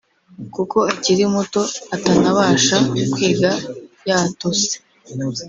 kuko akiri muto atanabasha kwiga yatose